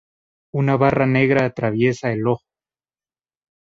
Una barra negra atraviesa el ojo.